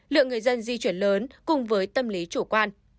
lượng người dân di chuyển lớn cùng với tâm lý chủ quan